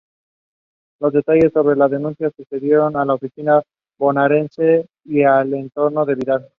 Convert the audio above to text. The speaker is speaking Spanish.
Los detalles sobre la denuncia sacudieron al oficialismo bonaerense y al entorno de Vidal.